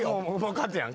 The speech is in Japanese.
勝つやん。